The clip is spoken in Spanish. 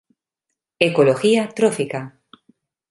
Ecología trófica.